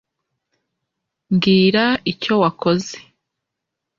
mbwira icyo wakoze